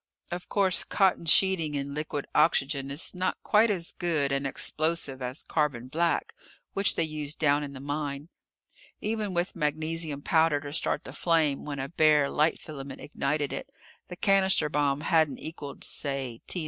Of course cotton sheeting in liquid oxygen is not quite as good an explosive as carbon black, which they used down in the mine. Even with magnesium powder to start the flame when a bare light filament ignited it, the cannister bomb hadn't equaled say T.N.